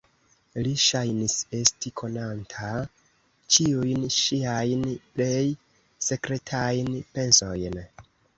Li ŝajnis esti konanta ĉiujn ŝiajn plej sekretajn pensojn.